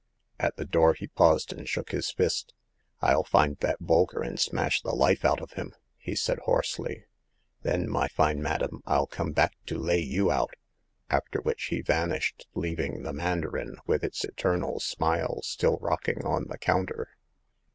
At the door he paused and shook his fist. " rU find that Bolker, and smash the life out of him !" he said, hoarsely ;then, my fine madam, FU come back to lay you out !" after which he vanished, leaving the mandarin, with its eternal smile, still rocking on the counter.